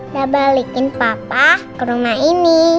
saya balikin papa ke rumah ini